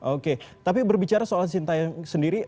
oke tapi berbicara soal sintayong sendiri